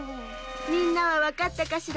みんなはわかったかしら？